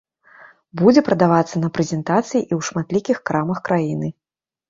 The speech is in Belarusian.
Будзе прадавацца на прэзентацыі і ў шматлікіх крамах краіны.